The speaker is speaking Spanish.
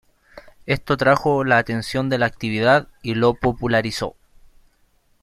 Esto trajo la atención de la actividad y lo popularizó.